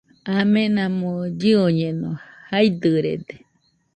Amenamo llɨoñeno, jaidɨrede